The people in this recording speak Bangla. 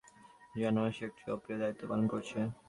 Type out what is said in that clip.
যেন সে একটি অপ্রিয় দায়িত্ব পালন করছে।